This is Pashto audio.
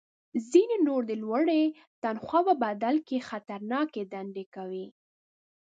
ځینې نور د لوړې تنخوا په بدل کې خطرناکې دندې کوي